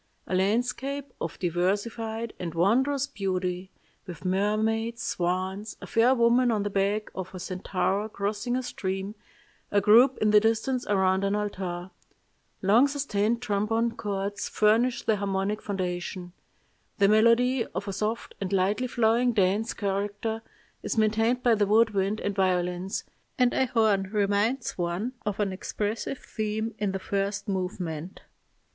A landscape of diversified and wondrous beauty, with mermaids, swans, a fair woman on the back of a centaur crossing a stream, a group in the distance around an altar. Long sustained trombone chords furnish the harmonic foundation. The melody, of a soft and lightly flowing dance character, is maintained by the wood wind and violins, and a horn reminds one of an expressive theme in the first movement.